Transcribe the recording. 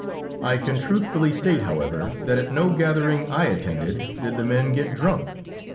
I can truthfully state, however, that at no gathering I attended did the men get drunk.